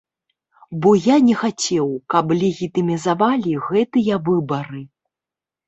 Бо я не хацеў, каб легітымізавалі гэтыя выбары.